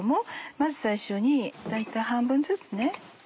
まず最初に大体半分ずつね。